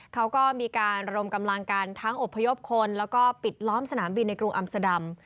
เขาก็มีการรวมกำลังกันทั้งอบพยพคนแล้วก็ปิดล้อมสนามบินในกรุงอัมสดัม